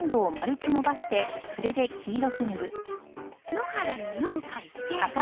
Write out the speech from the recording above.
野原の「の」を書いて。